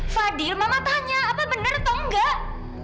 fadil mama tanya apa benar atau enggak